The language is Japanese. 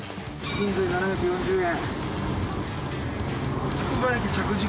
７４０円！